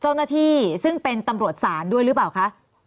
เจ้าหน้าที่ซึ่งเป็นตำรวจศาลด้วยหรือเปล่าคะ